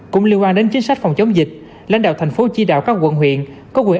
cũng liên quan đến chính sách phòng chống dịch lãnh đạo thành phố chỉ đạo các quận huyện có quyền